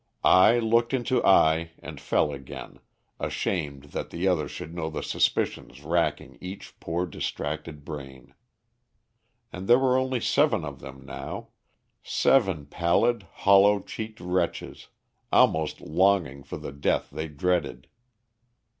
Eye looked into eye and fell again, ashamed that the other should know the suspicions racking each poor distracted brain. And there were only seven of them now seven pallid, hollow cheeked wretches, almost longing for the death they dreaded.